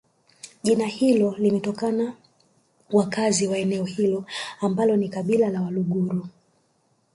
jina hilo limetokana wakazi wa eneo hilo ambalo ni kabika la waluguru